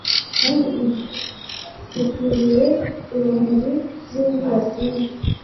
kandi ibyo, bitwikiriye urumuri rw'izuba ryinshi